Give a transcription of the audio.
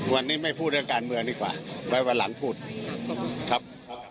วันนี้ไม่พูดเรื่องการเมืองดีกว่าไว้วันหลังพูดครับ